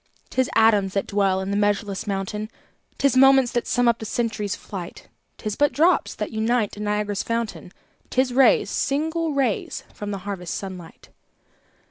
'Tis atoms that dwell in the measureless mountain, 'Tis moments that sum up the century's flight; 'Tis but drops that unite in Niagara's fountain, 'Tis rays, single rays, from the harvest sun light.